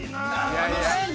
◆楽しいね。